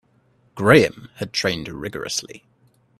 Graham had trained rigourously.